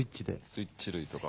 スイッチ類とか。